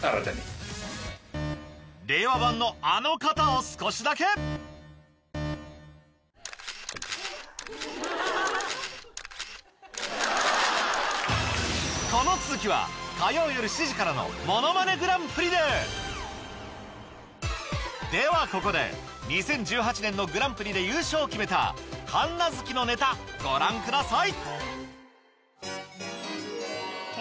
令和版のあの方を少しだけではここで２０１８年のグランプリで優勝を決めた神奈月のネタご覧ください